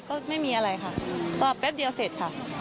ก็ไม่มีอะไรค่ะก็แป๊บเดียวเสร็จค่ะ